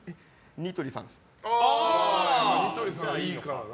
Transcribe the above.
ニトリさんいいからな。